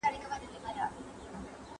¬ د خلگو زور د خداى زور دئ.